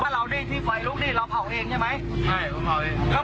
บ้านเราดิที่ไฟลุกดิเราเผาเองใช่ไหมใช่เราเผาเอง